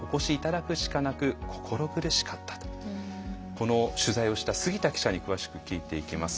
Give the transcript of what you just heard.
この取材をした杉田記者に詳しく聞いていきます。